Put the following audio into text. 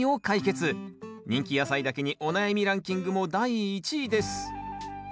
人気野菜だけにお悩みランキングも第１位です。